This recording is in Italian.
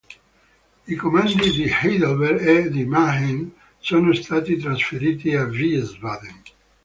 I comandi di Heidelberg e di Mannheim sono stati trasferiti a Wiesbaden.